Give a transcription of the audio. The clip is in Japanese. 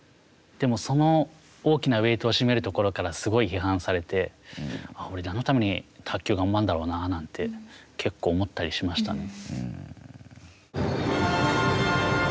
でも、その大きなウエイトを占めるところからすごい批判されて、俺、何のために卓球を頑張るんだろうなとか、結構思ったりしましたね。